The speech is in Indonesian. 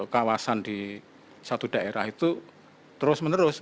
kawasan di satu daerah itu terus menerus